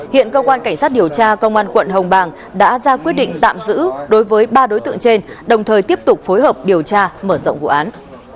hiện cơ quan cảnh sát điều tra công an quận hồng bàng đã ra quyết định tạm giữ đối với ba đối tượng trên đồng thời tiếp tục phối hợp điều tra mở rộng vụ án